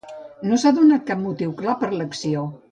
No s'ha donat cap motiu clar per a l'acció.